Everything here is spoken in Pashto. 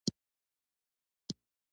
افغانستان د غزني له پلوه متنوع دی.